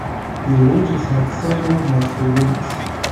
The award has had several multiple winners.